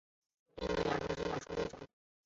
电动牙刷是牙刷的一种。